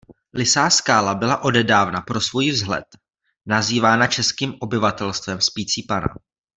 Lysá skála byla odedávna pro svůj vzhled nazývána českým obyvatelstvem "Spící panna".